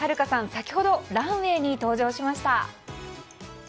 先ほどランウェーに登場しました。